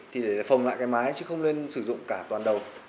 để phồng lại mái chứ không nên sử dụng cả toàn đầu